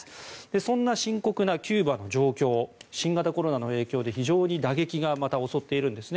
そんな深刻なキューバの状況新型コロナの影響で非常に打撃がまた襲っているんですね。